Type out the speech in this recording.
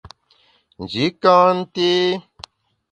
Nji ka nté.